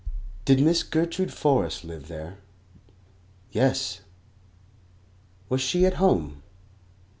Did Miss Gertrude Forrest live there? Yes. Was she at home?